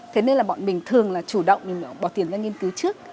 thế nên là bọn mình thường là chủ động mình bỏ tiền ra nghiên cứu trước